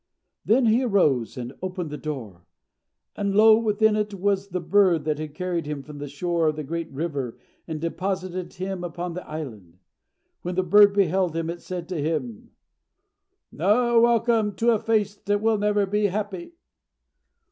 He then arose and opened the door, and lo! within it was the bird that had carried him from the shore of the great river, and deposited him upon the island. When the bird beheld him, it said to him, "No welcome to a face that will never be happy!"